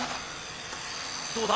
どうだ？